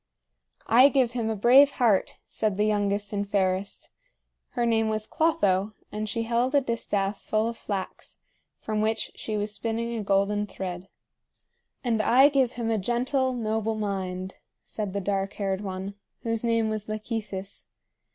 "I give him a brave heart," said the youngest and fairest. Her name was Clotho, and she held a distaff full of flax, from which she was spinning a golden thread. "And I give him a gentle, noble mind," said the dark haired one, whose name was Lachesis.